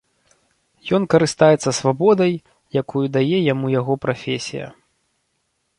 Ён карыстаецца свабодай, якую дае яму яго прафесія.